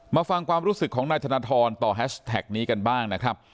ฟังความรู้สึกของนายธนทรต่อแฮชแท็กนี้กันบ้างนะครับ